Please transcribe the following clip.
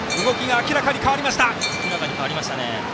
明らかに変わりましたね。